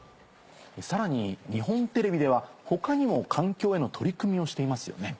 さらに日本テレビでは他にも環境への取り組みをしていますよね。